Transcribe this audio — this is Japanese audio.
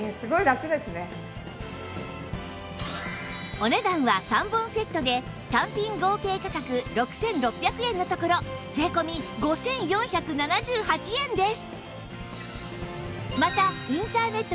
お値段は３本セットで単品合計価格６６００円のところ税込５４７８円です